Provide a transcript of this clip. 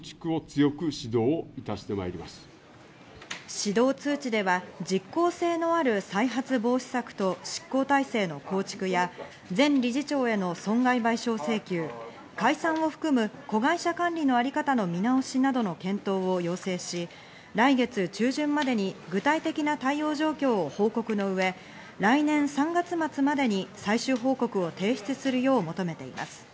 指導通知では実効性のある再発防止策と執行体制の構築や前理事長への損害賠償請求、解散を含む子会社管理のあり方の見直しなどの検討を要請し、来月中旬までに具体的な対応状況を報告の上、来年３月末までに最終報告を提出するよう求めています。